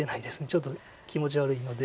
ちょっと気持ち悪いので。